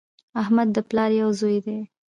احمد د پلار یو زوی دی